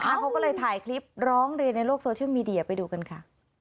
เขาก็เลยถ่ายคลิปร้องเรียนในโลกโซเชียลมีเดียไปดูกันค่ะ